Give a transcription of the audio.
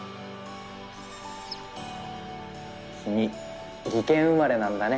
君技研生まれなんだね。